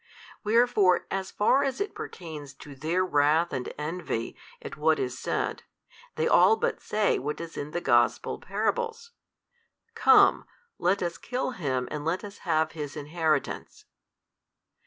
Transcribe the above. Wherefore, as far as pertains to their wrath and envy at what is said, they all but say what is in the Gospel parables, Come, let us hill Him and let us have His inheritance.